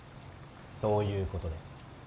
そういうことで。